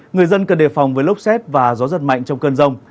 người dân cần đề phòng với lốc xét và gió giật mạnh trong cơn rông